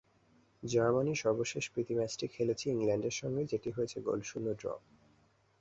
Germany সর্বশেষ প্রীতি ম্যাচটি খেলেছে ইংল্যান্ডের সঙ্গে, যেটি হয়েছে গোলশূন্য ড্র।